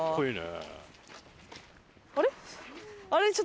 あれ？